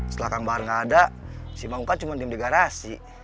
setelah kang bahar gak ada si maung kan cuma diem di garasi